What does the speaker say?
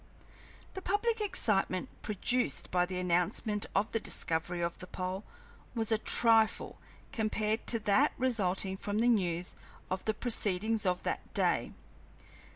The public excitement produced by the announcement of the discovery of the pole was a trifle compared to that resulting from the news of the proceedings of that day.